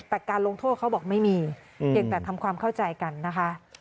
แต่การลงโทษเขาบอกไม่มีเพียงแต่ทำความเข้าใจกันนะคะ